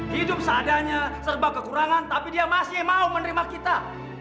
hidup seadanya serba kekurangan tapi dia masih mau menerima kita